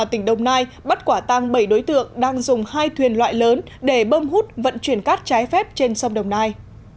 lực lượng công an tp biên hòa bắt quả tang bảy đối tượng đang dùng hai thuyền loại lớn để bơm hút vận chuyển cát trái phép trên sông đồng nai